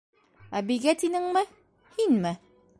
- Әбейгә тинеңме? һинме?